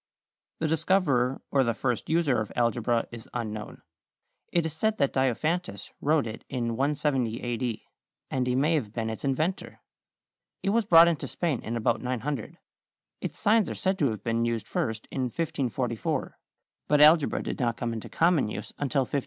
= The discoverer or the first user of algebra is unknown. It is said that Diophantus wrote it in 170 A. D., and he may have been its inventor. It was brought into Spain in about 900. Its signs are said to have been used first in 1544, but algebra did not come into common use until 1590.